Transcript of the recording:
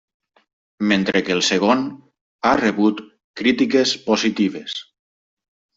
Mentre que el segon, ha rebut crítiques positives.